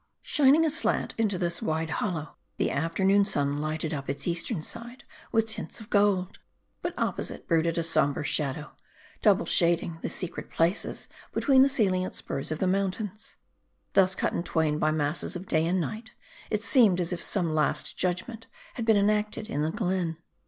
Shining aslant into this wild hollow, the afternoon sun lighted up its eastern side with tints of gold. But opposite, brooded a somber shadow, double shading the secret places between the salient spurs of the mountains. Thus cut in twain by masses of day and night, it seemed as if some Last Judgment had been enacted in the glen